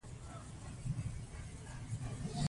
که خج کلک وای، رنګ به وای.